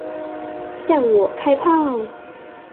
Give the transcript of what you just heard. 向我开炮！